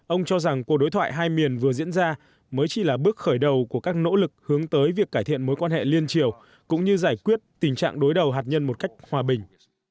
ông cho rằng cuộc đối thoại hai miền vừa diễn ra mới chỉ là bước khởi đầu của các nỗ lực hướng tới việc cải thiện mối quan hệ liên triều cũng như giải quyết tình trạng đối đầu hạt nhân một cách hòa bình